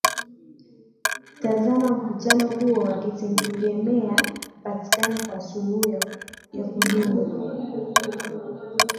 tazama mkutano huo wakitengemea kutapatikana kwa suluhu yakudumu